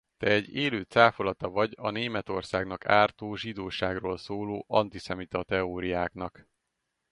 Te egy élő cáfolata vagy a Németországnak ártó zsidóságról szóló antiszemita teóriáknak.